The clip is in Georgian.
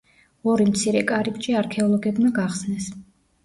ორი მცირე კარიბჭე არქეოლოგებმა გახსნეს.